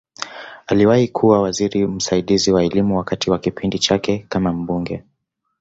Aliwahi kuwa waziri msaidizi wa Elimu wakati wa kipindi chake kama mbunge.